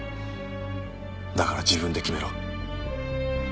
だから自分で決めろ。